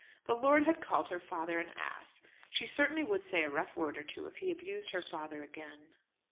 The lord had called her father an ass. She certainly would say a rough word or two if he abused her father again.